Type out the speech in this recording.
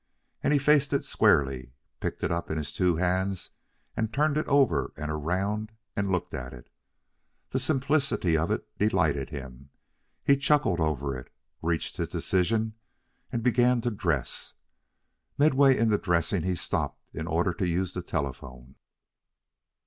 And he faced it squarely, picked it up in his two hands and turned it over and around and looked at it. The simplicity of it delighted him. He chuckled over it, reached his decision, and began to dress. Midway in the dressing he stopped in order to use the telephone.